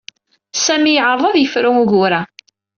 Sami yeɛreḍ ad yefru ugur-a.